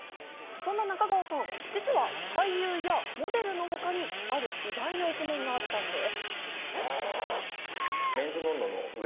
そんな中川さん、実は俳優やモデルのほかに、ある意外な一面があったんです。